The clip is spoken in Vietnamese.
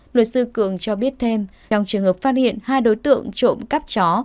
luật sư cường cho biết thêm trong trường hợp phát hiện hai đối tượng trộm cắp chó